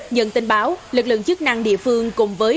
nhận tin báo lực lượng chức năng địa phương cùng với